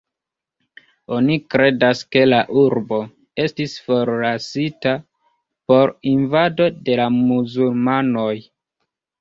Oni kredas ke la urbo estis forlasita por invado de la muzulmanoj.